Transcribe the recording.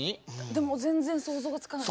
でも全然想像がつかない。